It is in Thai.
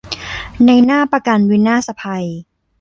นายหน้าประกันวินาศภัย